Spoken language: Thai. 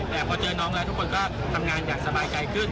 แต่พอเจอน้องแล้วทุกคนก็ทำงานอย่างสบายใจขึ้น